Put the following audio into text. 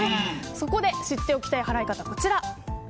そこで知っておきたい払い方こちら。